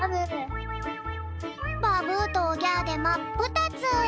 「バブー」と「オギャー」でまっぷたつ！